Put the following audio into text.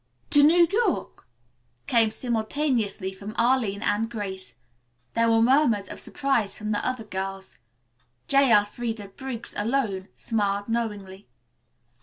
"To New York!" came simultaneously from Arline and Grace. There were murmurs of surprise from the other girls. J. Elfreda Briggs alone smiled knowingly.